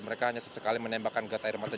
mereka hanya sesekali menembakkan gas air mata